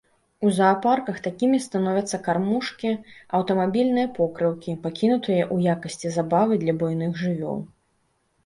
У заапарках такімі становяцца кармушкі, аўтамабільныя покрыўкі, пакінутыя ў якасці забавы для буйных жывёл.